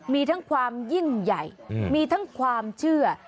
มีทั้งความยิ่งใหญ่มีทั้งความเชื่อ